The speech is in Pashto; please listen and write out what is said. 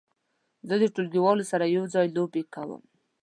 زه د ټولګیوالو سره یو ځای لوبې کوم.